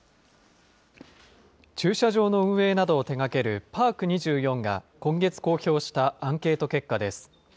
駐車場の運営などを手がけるパーク２４が今月公表したアンケート結果です。